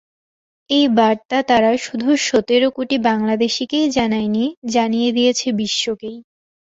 এই বার্তা তারা শুধু সতেরো কোটি বাংলাদেশিকেই জানায়নি, জানিয়ে দিয়েছে বিশ্বকেই।